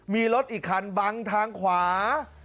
มีรถอีกคันบังทางขวา